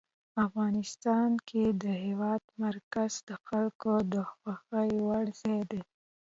افغانستان کې د هېواد مرکز د خلکو د خوښې وړ ځای دی.